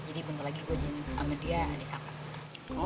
jadi bentar lagi gue jadi sama dia adik kakak